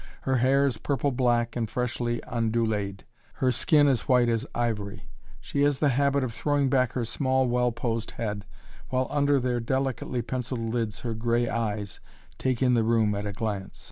Her hair is purple black and freshly onduléd; her skin as white as ivory. She has the habit of throwing back her small, well posed head, while under their delicately penciled lids her gray eyes take in the room at a glance.